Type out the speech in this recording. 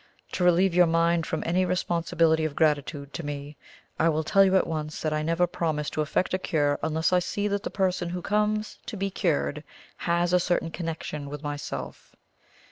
To relieve your mind from any responsibility of gratitude to me, I will tell you at once that I never promise to effect a cure unless I see that the person who comes to be cured has a certain connection with myself.